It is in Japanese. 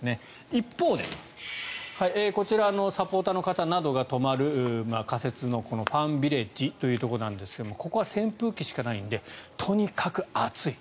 一方でこちらのサポーターの方などが泊まる仮設のファンビレッジというところなんですがここは扇風機しかないのでとにかく暑い。